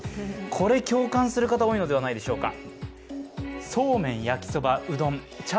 これ共感する方、多いのではないでしょうか。